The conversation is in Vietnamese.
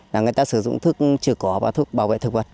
là người ta sử dụng thức trừ cỏ và thức bảo vệ thực vật